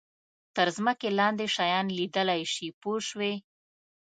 تر ځمکې لاندې شیان لیدلای شي پوه شوې!.